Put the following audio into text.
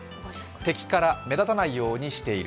敵から目立たないようにしている。